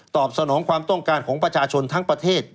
สนองความต้องการของประชาชนทั้งประเทศ